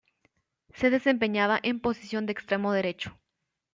Se desempeñaba en posición de extremo derecho.